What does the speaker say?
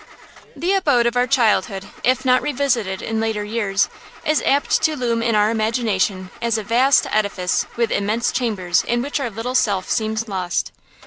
The abode of our childhood, if not revisited in later years, is apt to loom in our imagination as a vast edifice with immense chambers in which our little self seems lost.